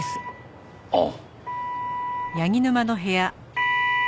ああ。